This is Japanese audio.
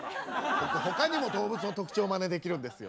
僕他にも動物の特徴まねできるんですよ。